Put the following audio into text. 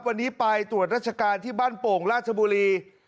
วันนี้ไปตรวจราชการที่บ้านโป่งราชบุรี